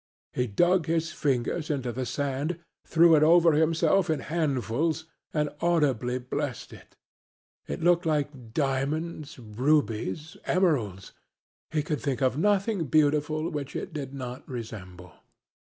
He dug his fingers into the sand, threw it over himself in handfuls and audibly blessed it. It looked like diamonds, rubies, emeralds; he could think of nothing beautiful which it did not resemble.